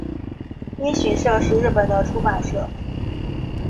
一迅社是日本的出版社。